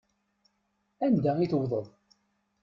Anda i tewteḍ.